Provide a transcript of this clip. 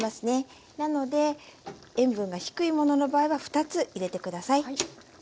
なので塩分が低いものの場合は２つ入れて下さい。